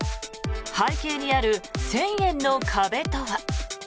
背景にある１０００円の壁とは。